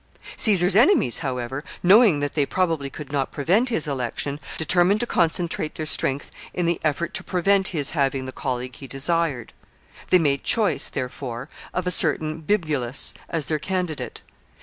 Caesar's enemies, however, knowing that they probably could not prevent his election, determined to concentrate their strength in the effort to prevent his having the colleague he desired. They made choice, therefore, of a certain Bibulus as their candidate.